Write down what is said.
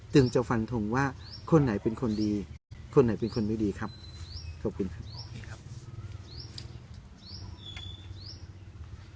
จะฟันทงว่าคนไหนเป็นคนดีคนไหนเป็นคนไม่ดีครับขอบคุณครับ